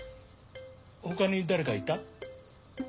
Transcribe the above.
他に誰かいた？